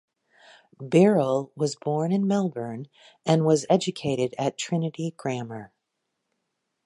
Birrell was born in Melbourne and was educated at Trinity Grammar.